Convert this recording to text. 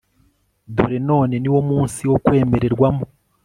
dore none ni wo munsi wo kwemererwamo